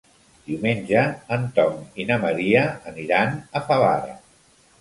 Diumenge en Tom i na Maria aniran a Favara.